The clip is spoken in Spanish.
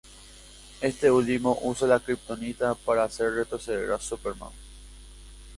Este último usa la kriptonita para hacer retroceder a Superman.